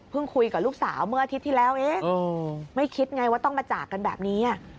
คุยกับลูกสาวเมื่ออาทิตย์ที่แล้วเอ๊ะไม่คิดไงว่าต้องมาจากกันแบบนี้